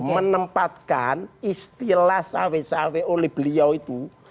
menempatkan istilah cawe cawe oleh beliau itu